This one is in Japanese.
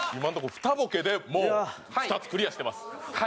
２ボケでもう２つクリアしてます